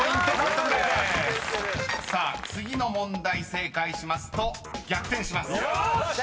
［さあ次の問題正解しますと逆転します］よしっ！